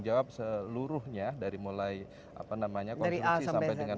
apabila auraitnya dco atau pually dan juga